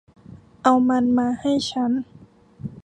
เอามันมาให้ฉัน